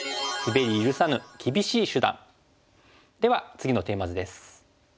では次のテーマ図です。